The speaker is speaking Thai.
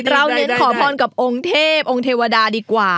เน้นขอพรกับองค์เทพองค์เทวดาดีกว่า